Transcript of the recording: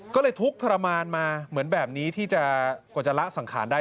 ก็เลยทุกข์ทรมานมาเหมือนแบบนี้ที่จะกว่าจะละสังขารได้